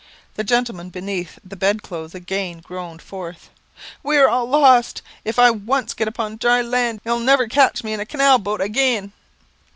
The gentleman beneath the bed clothes again groaned forth, "We are all lost. If I once get upon dry land, you'll never catch me in a canal boat agin."